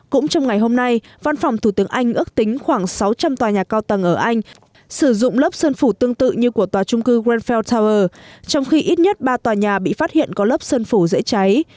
cũng trong ngày hôm nay văn phòng thủ tướng anh ước tính khoảng sáu trăm linh tòa nhà cao tầng ở anh sử dụng lớp sơn phủ tương tự như của tòa trung cư worldfell tower trong khi ít nhất ba tòa nhà bị phát hiện có lớp sơn phủ dễ cháy